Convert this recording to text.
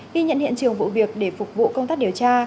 ghi nhận hiện trường vụ việc để phục vụ công tác điều tra